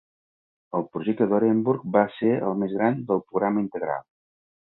El projecte d'Orenburg va ser el més gran del Programa Integral.